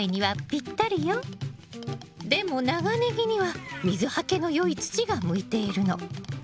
でも長ネギには水はけのよい土が向いているの。